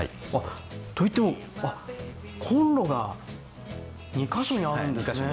あと言ってもコンロが２か所にあるんですね。